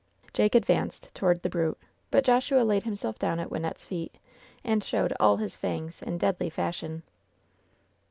Jake advanced toward the brute, but Joshua laid him self down at Wynnette's feet and showed all his fangs in deadly fashion.